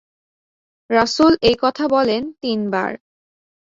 রাসুল এই কথা বলেন তিনবার।